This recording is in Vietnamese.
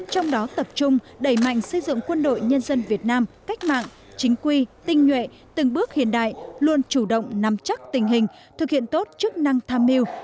trong đó tập trung đẩy mạnh xây dựng quân đội nhân dân việt nam cách mạng chính quy tinh nhuệ từng bước hiện đại luôn chủ động nắm chắc tình hình thực hiện tốt chức năng tham mưu